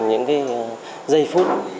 những giây phút